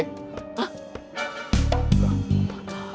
ya udah makasih ya